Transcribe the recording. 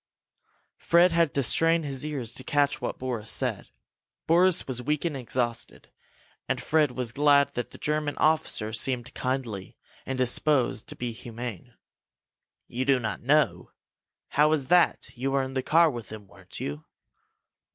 Fred had to strain his ears to catch what Boris said. Boris was weak and exhausted, and Fred was glad that the German officer seemed kindly and disposed to be humane. "You do not know? How is that? You were in the car with them, weren't you?"